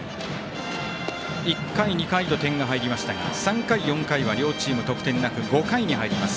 １回２回と点が入りましたが３回、４回は両チーム得点がなく５回に入ります。